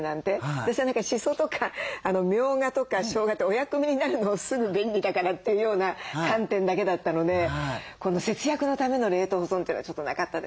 私は何かしそとかみょうがとかしょうがってお薬味になるのをすぐ便利だからというような観点だけだったのでこの節約のための冷凍保存というのはちょっとなかったですね。